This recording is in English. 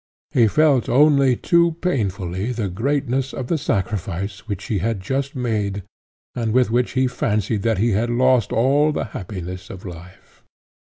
He felt only too painfully the greatness of the sacrifice which he had just made, and with which he fancied that he had lost all the happiness of life.